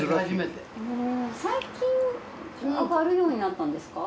最近揚がるようになったんですか？